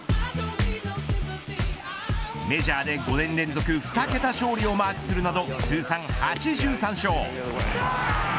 メジャーで５年連続２桁勝利をマークするなど通算８３勝。